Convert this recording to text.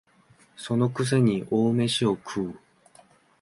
その癖に大飯を食う